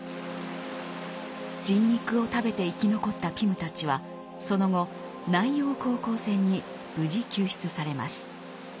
人肉を食べて生き残ったピムたちはその後南洋航行船に無事救出されます。